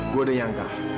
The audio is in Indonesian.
gue udah nyangka